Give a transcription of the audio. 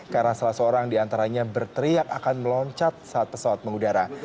karena salah seorang diantaranya berteriak akan meloncat saat pesawat mengudara